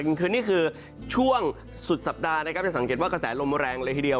นี่คือนี่คือช่วงสุดสัปดาห์นะครับจะสังเกตว่ากระแสลมแรงเลยทีเดียว